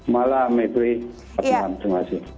selamat malam miepui